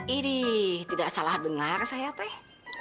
ini tidak salah dengar saya teh